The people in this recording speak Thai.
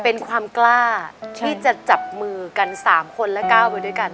เป็นความกล้าที่จะจับมือกัน๓คนและก้าวไปด้วยกัน